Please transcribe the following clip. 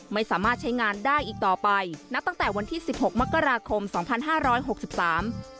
ไม่สามารถใช้งานได้อีกต่อไปนับตั้งแต่วันที่สิบหกมกราคมสองพันห้าร้อยหกสิบสาม